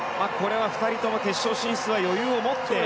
２人とも決勝進出は余裕を持って。